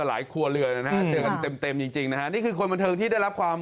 หลายครัวเรือเต็มจริงนะนี่คือคนบันเทิงที่ได้รับความ